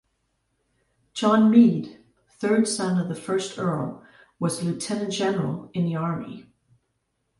John Meade, third son of the first Earl, was a lieutenant-general in the army.